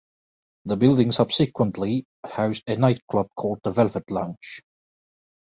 The building subsequently housed a nightclub called the Velvet Lounge.